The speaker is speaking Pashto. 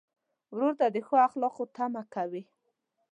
ورور ته د ښو اخلاقو تمه کوې.